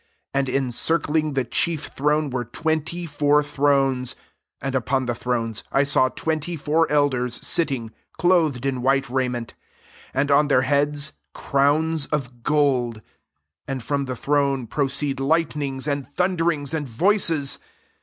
4 And encircling the chief throne were twenty four thrones: aad upon the thrones I saw twenty four elders sitting, clothed in white raiment; and on their heads crowns of gold. 5 And from the throne proceed lightnings, and thunderings, and voices.